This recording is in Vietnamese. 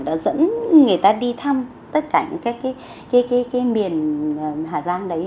đã dẫn người ta đi thăm tất cả những cái miền hà giang đấy